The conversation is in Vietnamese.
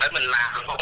để mình làm